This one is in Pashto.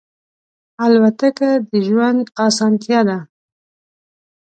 الوتکه د ژوند آسانتیا ده.